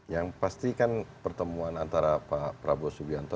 yang pasti kan pertemuan antara pak prabowo subianto